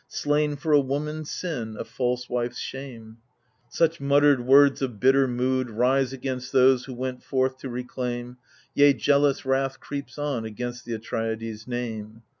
Slain for a womatis sin, a false wif^s shame I Such muttered words of bitter mood Rise against those who went forth to reclaim ; Yea, jealous wrath creeps on against th' Atrides' name.